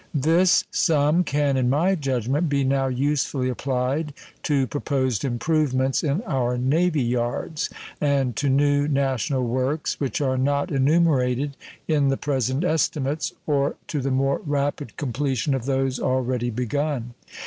This sum can, in my judgment, be now usefully applied to proposed improvements in our navy yards, and to new national works which are not enumerated in the present estimates or to the more rapid completion of those already begun.